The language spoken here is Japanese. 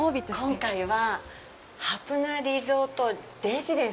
今回は、ハプナリゾートレジデンス。